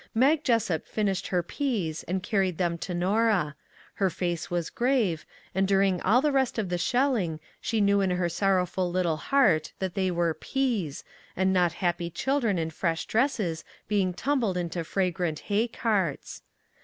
Mag Jessup finished her peas and carried them to Norah; her face was grave, and dur ing all the rest of the shelling she knew in her sorrowful little heart that they were peas, and not happy children in fresh dresses being tum bled into fragrant hay carts.